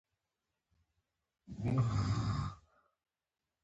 ټول ایماني او بشري ارزښتونه یې بې غیرته کړي دي.